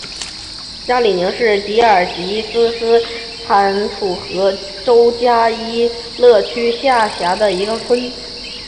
加里宁是吉尔吉斯斯坦楚河州加依勒区下辖的一个村。